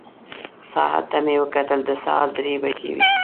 ساعت ته مې وکتل، د سهار درې بجې وې.